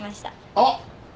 あっ！